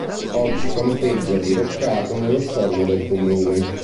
Oggi campeggia, diroccato, nello stemma del Comune.